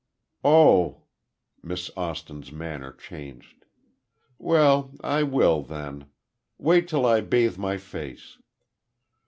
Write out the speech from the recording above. "Oh." Miss Austin's manner changed. "Well, I will, then. Wait till I bathe my face."